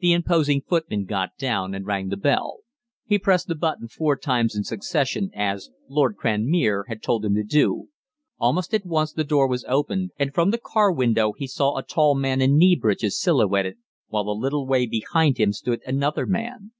The imposing footman got down and rang the bell he pressed the button four times in succession, as "Lord Cranmere" had told him to do. Almost at once the door was opened, and from the car window we saw a tall man in knee breeches silhouetted, while a little way behind him stood another man.